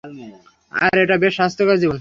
আর এটা বেশ স্বাস্থ্যকর জীবন।